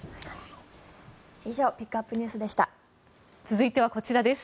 以上ピックアップＮＥＷＳでした。